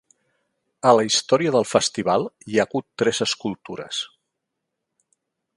A la història del festival hi ha hagut tres escultures.